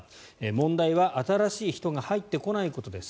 問題は新しい人が入ってこないことです。